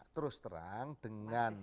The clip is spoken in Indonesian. terus terang dengan